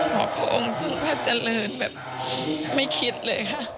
พระองค์ซึ่งพระเจริญแบบไม่คิดเลยค่ะ